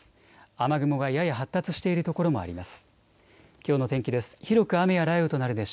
雨雲がやや発達している所もあります。